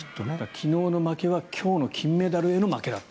昨日の負けは今日の金メダルのための負けだった。